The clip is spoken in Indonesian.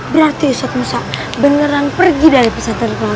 berarti ustadz musa beneran pergi dari peserta rilang